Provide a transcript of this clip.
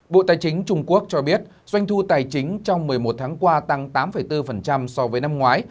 bộ tài chính trung quốc cho biết doanh thu tài chính trong một mươi một tháng qua tăng tám bốn so với năm ngoái